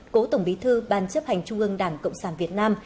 cố tổng bí thư ban chấp hành trung ương đảng cộng sản việt nam